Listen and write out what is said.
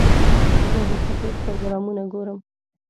زه د سپورټ پروګرامونه ګورم.